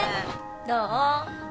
どう？